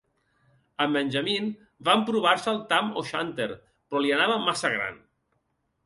En Benjamin va emprovar-se el tam-o-shanter, però li anava massa gran.